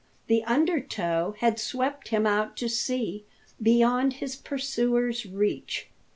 The under tow had swept him out to sea, beyond his pursuers' reach.